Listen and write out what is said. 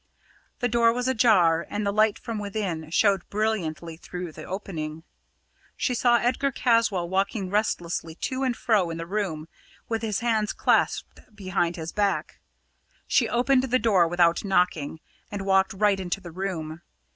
The door was ajar, and the light from within showed brilliantly through the opening. She saw Edgar Caswall walking restlessly to and fro in the room, with his hands clasped behind his back. She opened the door without knocking, and walked right into the room.